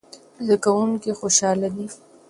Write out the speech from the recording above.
زده کوونکي خوشاله دي.